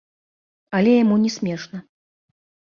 Але яму не смешна.